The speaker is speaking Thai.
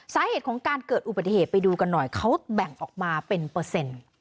สาเหตุของการเกิดอุบัติเหตุไปดูกันหน่อยเขาแบ่งออกมาเป็นเปอร์เซ็นต์